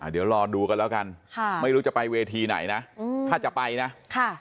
เดี๋ยวรอดูกันแล้วกันค่ะไม่รู้จะไปเวทีไหนนะถ้าจะไปนะค่ะ